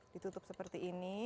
ditutup seperti ini